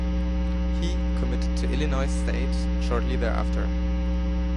He committed to Illinois State shortly thereafter.